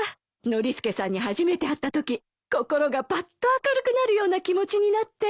ノリスケさんに初めて会ったとき心がパッと明るくなるような気持ちになって。